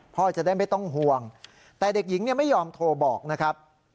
พ่อจะได้ไม่ต้องห่วงแต่เด็กหญิงไม่ยอมโทรบอกนะครับ